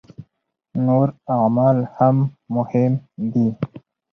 نور اعمال هم مهم دي.